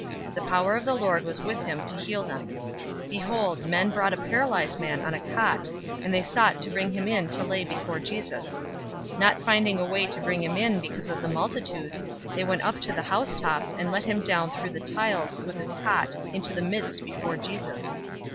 The power of the Lord was with him to heal them. 005:018 Behold, men brought a paralyzed man on a cot, and they sought to bring him in to lay before Jesus. 005:019 Not finding a way to bring him in because of the multitude, they went up to the housetop, and let him down through the tiles with his cot into the midst before Jesus.